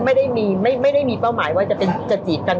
ไม่ได้มีเป้าหมายว่าจะเป็นจะจีบกัน